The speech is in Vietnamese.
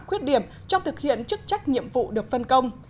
khuyết điểm trong thực hiện chức trách nhiệm vụ được phân công